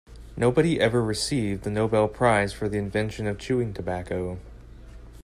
Nobody ever received the Nobel prize for the invention of chewing tobacco.